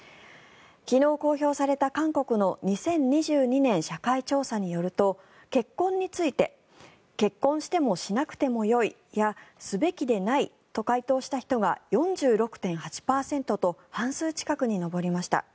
昨日公表された、韓国の２０２０年社会調査によると結婚について結婚してもしなくてもよいやすべきでないと回答した人が４６．８％と半数近くに上りました。